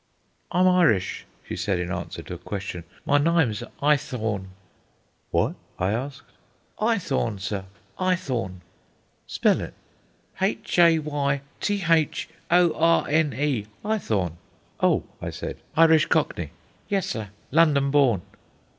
"I'm Irish," she said, in answer to a question. "My nyme's Eyethorne." "What?" I asked. "Eyethorne, sir; Eyethorne." "Spell it." "H a y t h o r n e, Eyethorne.' "Oh," I said, "Irish Cockney." "Yes, sir, London born."